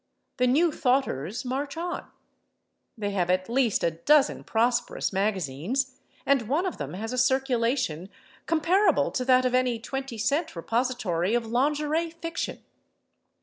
The New Thoughters march on; they have at least a dozen prosperous magazines, and one of them has a circulation comparable to that of any 20 cent repository of lingerie fiction.